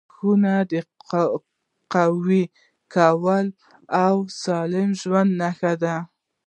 • د غاښونو قوي کول د سالم ژوند نښه ده.